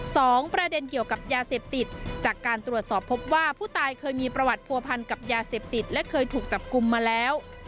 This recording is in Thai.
สองประเด็นเกี่ยวกับยาเสพติดจากการตรวจสอบพบว่าผู้ตายเคยมีประวัติผัวพันกับยาเสพติดและเคยถูกจับกลุ่มมาแล้ว